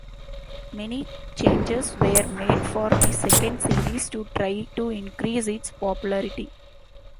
Many changes were made for the second series to try to increase its popularity.